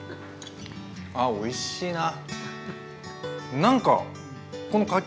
あっおいしいな。